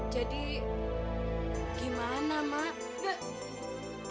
jadi gimana mak